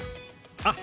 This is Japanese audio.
あっ